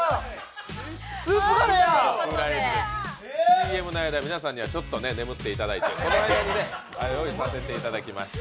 ＣＭの間、皆さんにはちょっと眠っていただいて、この間に用意させていただきました。